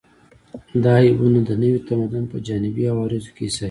دا عیبونه د نوي تمدن په جانبي عوارضو کې حسابېږي